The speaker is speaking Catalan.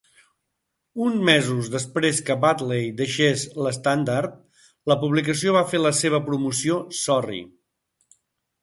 Un mesos després que Wadley deixés l'"Standard", la publicació va fer la seva promoció "Sorry".